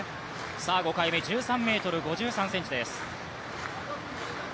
５回目、１３ｍ５３ｃｍです。